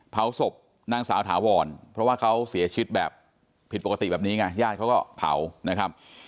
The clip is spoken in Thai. เผาศพนางสาวถาวรเพราะว่าเขาเสียชีวิตแบบผิดปกติแบบนี้ไงญาติเขาก็เผานะครับ